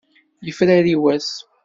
Yefrari wass.